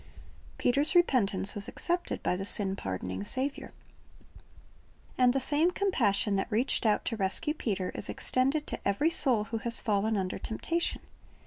"^ Peter's repentance was accepted by the sin pardoning Saviour. And the same compassion that reached out to rescue Peter is extended to every soul who has fallen under temptation.